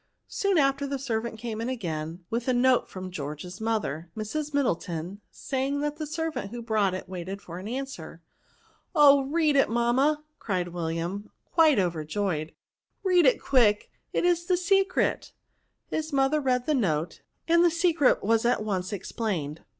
Soon after the servant came in again with a note from George's mother, Mrs. Middle ton, saying that the servant who brought it waited for an answer. " Oh ! read it, mam ma," cried William, quite overjoyed; " read it quick ; it is the secret." His mother read the note, and the secret was at once ex plained.